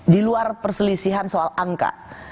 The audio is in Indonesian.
di luar perselisihan soal angka